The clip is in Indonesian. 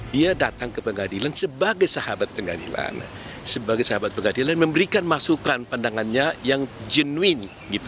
dia datang ke pengadilan sebagai sahabat pengadilan sebagai sahabat pengadilan memberikan masukan pandangannya yang genuin